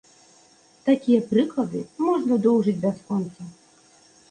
Такія прыклады можна доўжыць бясконца.